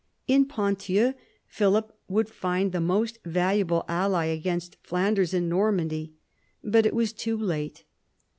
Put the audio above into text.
In Ponthieu Philip would find the most valuable ally against Flanders and Normandy. But it was too late.